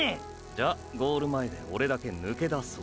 じゃあゴール前でオレだけ抜け出そう。